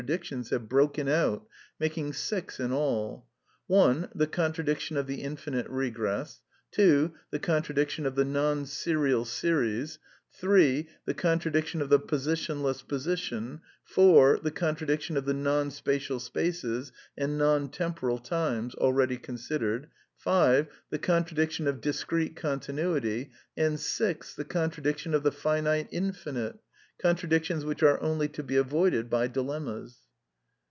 dictions have broken out, making six in all : (1) the con 1. tradiction of the infinite regress; (2) the contradiction of the non serial series; (3) the contradiction of the position less position; (4) the contradiction of the non spatial 9paces and non temporal times (already considered) ; (5) the contradiction of discrete continuity; and (6) the con tradiction of the finite infinite; contradictions which are only to be avoided by dilemmas.